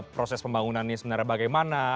proses pembangunannya sebenarnya bagaimana